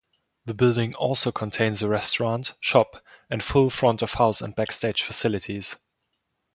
The building also contains a restaurant, shop, and full front-of-house and backstage facilities.